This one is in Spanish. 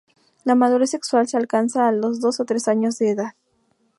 La madurez sexual se alcanza a los dos o tres años de edad.